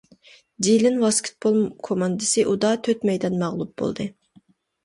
جىلىن ۋاسكېتبول كوماندىسى ئۇدا تۆت مەيدان مەغلۇپ بولدى.